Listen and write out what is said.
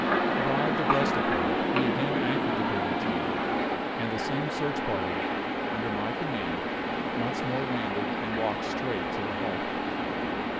Arrived abreast of her, we again anchored the brigantine, and the same search party, under my command, once more landed and walked straight to the hulk.